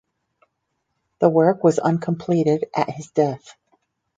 The work was uncompleted at his death.